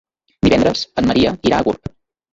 Divendres en Maria irà a Gurb.